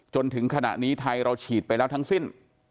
จนถึงขณะนี้ไทยเราฉีดไปแล้วทั้งสิ้น